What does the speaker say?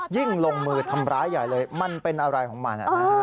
ลงมือทำร้ายใหญ่เลยมันเป็นอะไรของมัน